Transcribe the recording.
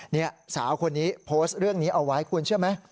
นี่สาวคนนี้โพสต์เรื่องนี้เอาไว้คุณเชื่อไหม